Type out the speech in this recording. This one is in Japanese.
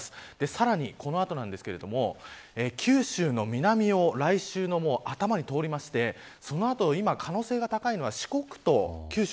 さらに、この後ですが九州の南を来週の頭に通りましてその後、今、可能性が高いのが四国と九州